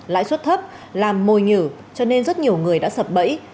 lãi suất thấp làm mồi nhử cho nên rất nhiều người đã sập bẫy